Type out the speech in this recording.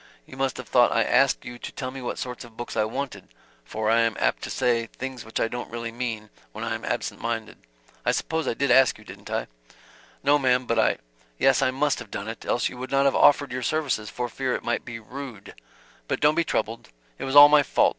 You must have thought I asked you to tell me what sort of books I wanted for I am apt to say things which I don't really mean, when I am absent minded. I suppose I did ask you, didn't I?" "No ma'm, but I " "Yes, I must have done it, else you would not have offered your services, for fear it might be rude. But don't be troubled it was all my fault.